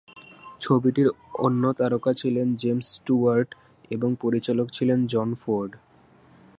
ছবিটির অন্য তারকা ছিলেন জেমস স্টুয়ার্ট এবং পরিচালক ছিলেন জন ফোর্ড।